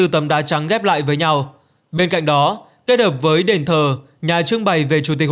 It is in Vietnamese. hai mươi bốn tấm đá trắng ghép lại với nhau bên cạnh đó kết hợp với đền thờ nhà trưng bày về chủ tịch